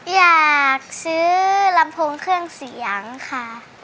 อยากซื้อลำโพงเครื่องเสียงค่ะ